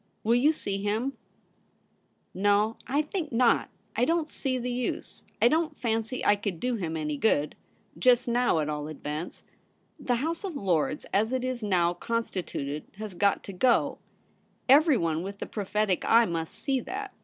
Will you see him ?'' No, I think not. I don't see the use ; I don't fancy I could do him any good — ^just now, at all events. The House of Lords, as it is now constituted, has got to go. Every 'ABOUT CHAMPION?' 151 one with the prophetic eye must see that.